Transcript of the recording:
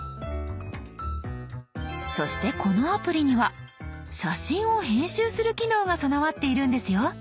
そしてこのアプリには写真を編集する機能が備わっているんですよ。